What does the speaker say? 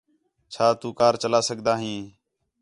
چَھا تُو کار چلا سڳدا ہیں؟